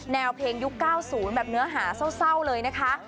แนวเพลงยุค๙๐แบบเนื้อหาเศร้าเลยนะคะ